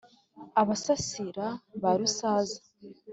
abasasira ba rusaza